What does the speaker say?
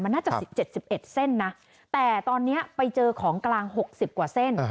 น่าจะ๑๗๑เส้นนะแต่ตอนนี้ไปเจอของกลาง๖๐กว่าเส้น